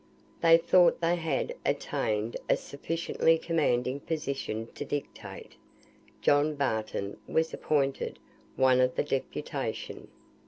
They thought they had attained a sufficiently commanding position to dictate. John Barton was appointed one of the deputation.